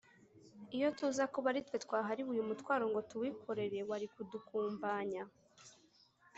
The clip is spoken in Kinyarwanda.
iyo tuza kuba ari twe twahariwe uyu mutwaro ngo tuwikorere, wari kudukumbanya